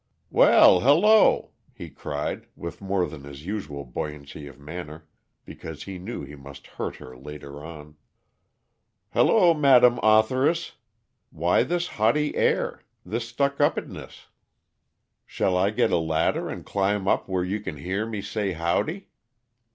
"Well, hello!" he cried, with more than his usual buoyancy of manner because he knew he must hurt her later on. "Hello, Madam Authoress. Why this haughty air? This stuckupiness? Shall I get a ladder and climb up where you can hear me say howdy?"